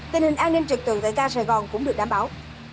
tình hình an ninh trực tượng tại ga sài gòn cũng được đảm bảo